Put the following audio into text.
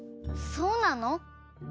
そうなの？